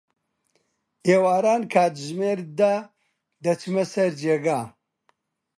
ئێواران، کاتژمێر دە دەچمە سەر جێگا.